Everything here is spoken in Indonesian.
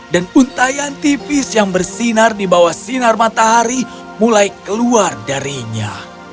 dan untayan tipis yang bersinar di bawah sinar matahari mulai keluar darinya